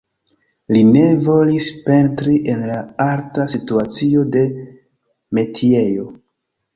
Li ne volis pentri en la arta situacio de metiejo.